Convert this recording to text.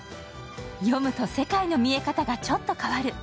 読むと世界の見え方がちょっと変わる。